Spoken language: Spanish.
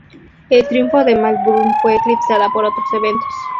El triunfo de Milburn fue eclipsada por otros eventos.